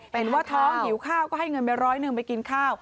เป็นว่าท้องหิวข้าวก็ให้เงินไปร้อยหนึ่งไปกินข้าว